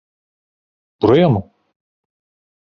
Buraya mı?